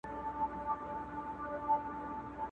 د ګدا لور ښایسته وه تکه سپینه!!